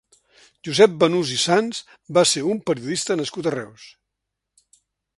Josep Banús i Sans va ser un periodista nascut a Reus.